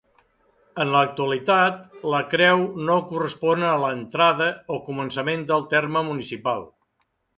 En l'actualitat, la Creu no correspon a l'entrada o començament del terme municipal.